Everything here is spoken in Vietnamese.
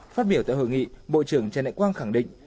phát biểu tại hội nghị bộ trưởng trần đại quang khẳng định